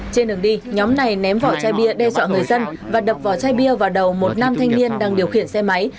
trên đường đi nhóm này ném vỏ chai bia đe dọa người dân và đập vỏ chai bia vào đầu một nam thanh niên đang điều khiển xe máy